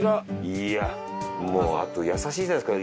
いやもうあと優しいじゃないですか。